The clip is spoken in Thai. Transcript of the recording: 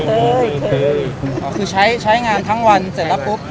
เคยเคยอ๋อคือใช้ใช้งานทั้งวันเสร็จแล้วปุ๊บ